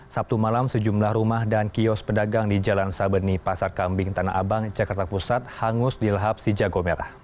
sabtu malam sejumlah rumah dan kios pedagang di jalan sabeni pasar kambing tanah abang jakarta pusat hangus di lahap si jago merah